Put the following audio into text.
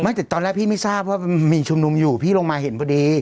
ตอนแรกพี่ไม่ทราบว่ามีชุมนุมอยู่พี่ลงมาเห็นพอดี